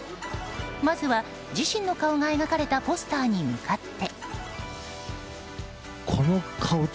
まずは自身の顔が描かれたポスターに向かって。